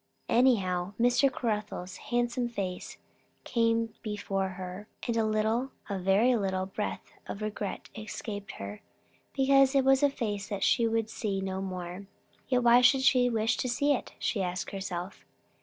Anyhow, Mr. Caruthers' handsome face came be fore her; and a little, a very little, breath of regret escaped her, because it was a face she would see no more. Yet why should she wish to see it? she asked herself.